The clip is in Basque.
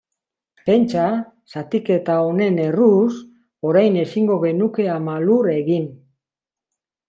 Pentsa, zatiketa honen erruz, orain ezingo genuke Ama Lur egin.